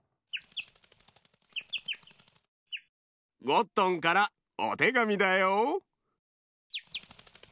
ゴットンからおてがみだよ。